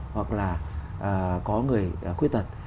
hoặc là có người khuyết tật